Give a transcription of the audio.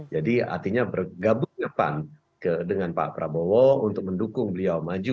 jadi artinya bergabungnya pan dengan pak prabowo untuk mendukung beliau maju